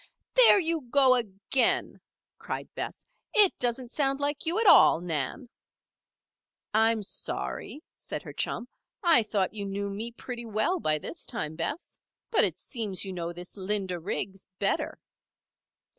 "There you go again!" cried Bess. "It doesn't sound like you at all, Nan." "I'm sorry," said her chum. "I thought you knew me pretty well by this time, Bess. But, it seems you know this Linda Riggs better."